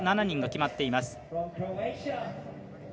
７人が決まっています。